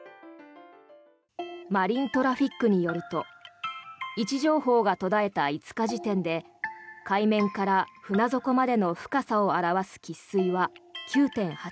マリントラフィックによると位置情報が途絶えた５日時点で海面から船底までの深さを表す喫水は９．８ｍ。